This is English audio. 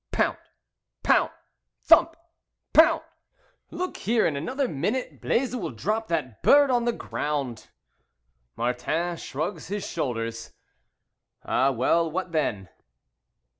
Pound! Pound! Thump! Pound! "Look here, in another minute Blaise will drop that bird on the ground." Martin shrugs his shoulders. "Ah, well, what then?